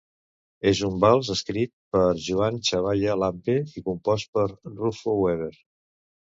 És un vals escrit per Juan Chabaya Lampe i compost per Rufo Wever.